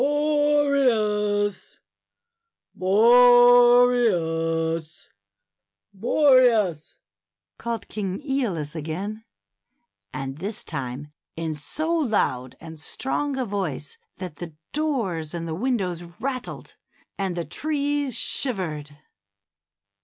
Boreas, Boreas, Boreas!" called King ^olus again, and this time in so loud and strong a voice that the doors and windows rattled, and the trees shivered.